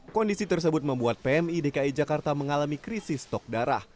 kondisi tersebut membuat pmi dki jakarta mengalami krisis stok darah